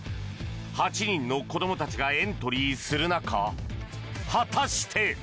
８人の子どもたちがエントリーする中、果たして。